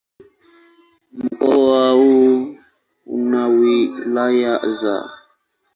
Mkoa huu una wilaya za